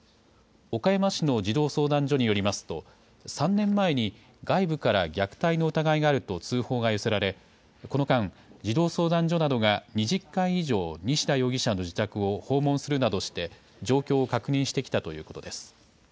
岡山市の児童相談所によりますと、３年前に外部から虐待の疑いがあると通報が寄せられ、この間、児童相談所などが２０回以上、西田容疑者の自宅を訪問するなどして状況を確認してきたということです。